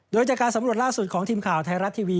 โดยจากการสำรวจล่าสุดของทีมข่าวไทยรัฐทีวี